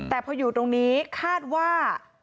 แต่พออยู่ตรงนี้คาดว่า